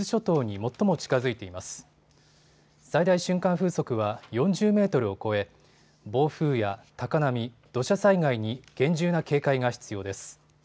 最大瞬間風速は４０メートルを超え、暴風や高波、土砂災害に厳重な警戒が必要です。